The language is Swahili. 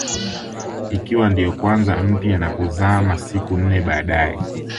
Ikiwa ndio kwanza mpya na kuzama siku nne baadae